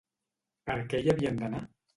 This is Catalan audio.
Per què hi havien d'anar?